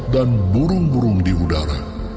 dan burung burung di udara